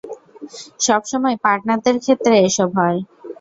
সবসময় পার্টনারদের ক্ষেত্রে এসব হয়।